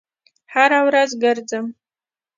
هره ورځ ګرځم